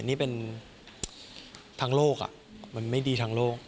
นี่เป็นทั้งโลกมันไม่ดีทางโลก